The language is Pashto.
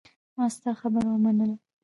ما ستا خبره ومنله.